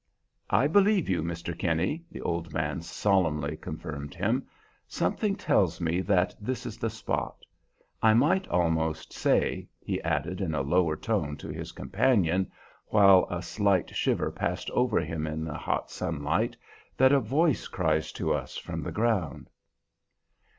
"I believe you, Mr. Kinney," the old man solemnly confirmed him. "Something tells me that this is the spot. I might almost say," he added in a lower tone to his companion, while a slight shiver passed over him in the hot sunlight, "that a voice cries to us from the ground!"